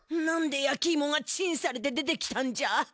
何でやきいもがチンされて出てきたんじゃ？